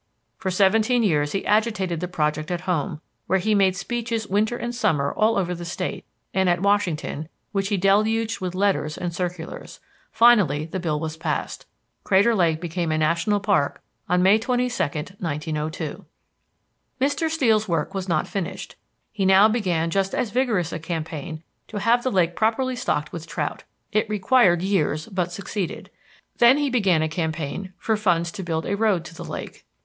For seventeen years he agitated the project at home, where he made speeches winter and summer all over the State, and at Washington, which he deluged with letters and circulars. Finally the bill was passed. Crater Lake became a national park on May 22, 1902. Mr. Steel's work was not finished. He now began just as vigorous a campaign to have the lake properly stocked with trout. It required years but succeeded. Then he began a campaign for funds to build a road to the lake.